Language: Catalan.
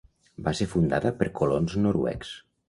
Va ser fundada per colons noruecs.